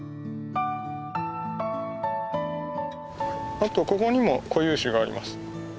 あとここにも固有種があります。